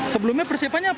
sebelumnya persiapannya apa